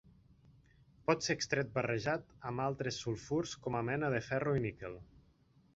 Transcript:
Pot ser extret barrejat amb altres sulfurs com a mena de ferro i níquel.